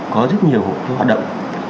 có rất nhiều hội thủ hoạt động